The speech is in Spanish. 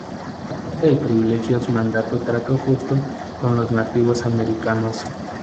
La Carta de Privilegios mandato trato justo con los nativos americanos.